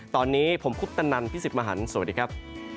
ตอนนี้ผมคุปตนันพี่สิทธิ์มหันฯสวัสดีครับ